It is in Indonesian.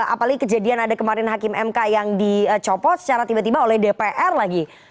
apalagi kejadian ada kemarin hakim mk yang dicopot secara tiba tiba oleh dpr lagi